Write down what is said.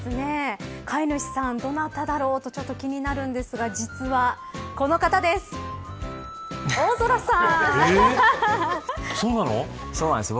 飼い主さん、どなただろうとちょっと気になるんですが実は、この方です。